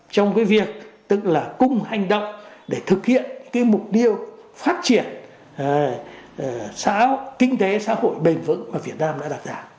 trong việc tức là cung hành động để thực hiện mục tiêu phát triển kinh tế xã hội bền vững mà việt nam đã đặt giá